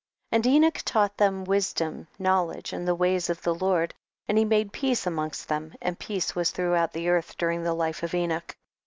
11. And Enoch taught them wis dom, knowledge, and the ways of the Lord ; and lie made peace amongst them, and peace was throughout the earth during the life of Enoch.